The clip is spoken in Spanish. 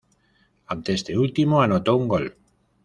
Ante este último anotó un gol.